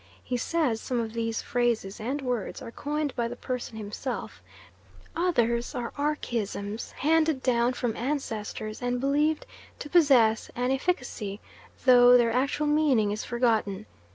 He says some of these phrases and words are coined by the person himself, others are archaisms handed down from ancestors and believed to possess an efficacy, though their actual meaning is forgotten.